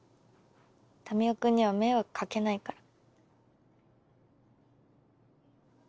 民生君には迷惑かけないから。